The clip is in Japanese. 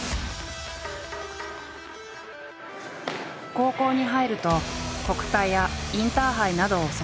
高校に入ると国体やインターハイなどを総なめ。